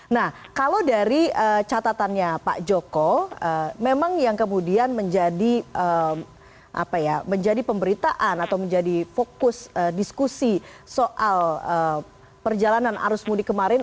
nah kalau dari catatannya pak joko memang yang kemudian menjadi pemberitaan atau menjadi fokus diskusi soal perjalanan arus mudik kemarin